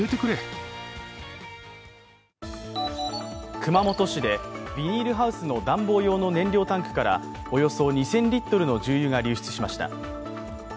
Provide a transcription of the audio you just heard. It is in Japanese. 熊本市でビニールハウスの暖房用の燃料タンクからおよそ２０００リットルの重油が流出しました。